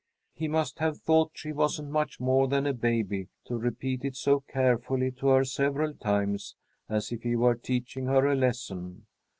He must have thought she wasn't much more than a baby to repeat it so carefully to her several times, as if he were teaching her a lesson.